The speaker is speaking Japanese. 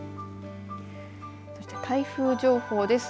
そして台風情報です。